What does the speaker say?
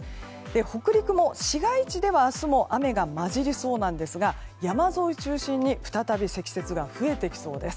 北陸も市街地では明日も雨が交じりそうなんですが山沿いを中心に再び積雪が増えてきそうです。